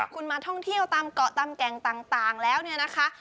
คุณมาท่องเที่ยวตามเกาะตามแก่งต่างแล้วเนี่ยนะคะ